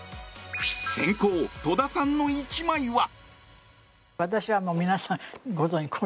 先攻、戸田さんの１枚は。